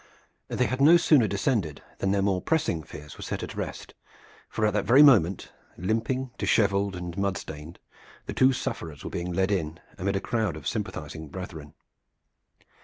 They had no sooner descended than their more pressing fears were set at rest, for at that very moment, limping, disheveled and mud stained, the two sufferers were being led in amid a crowd of sympathizing brethren.